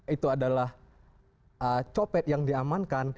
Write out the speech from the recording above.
itu adalah copet yang diamankan